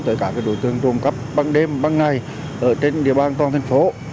tới các đối tượng trùm cắp băng đêm băng ngày ở trên địa bàn toàn thành phố